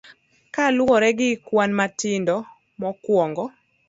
Kaluwore gi kwan matindo mokwongo.